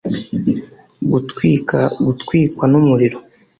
Gutwika gutwikwa n umuriro